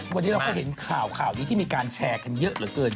วันนี้เราก็เห็นข่าวข่าวนี้ที่มีการแชร์กันเยอะเหลือเกิน